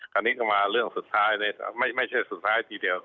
อันนี้ก็มาเรื่องสุดท้ายไม่ใช่สุดท้ายทีเดียว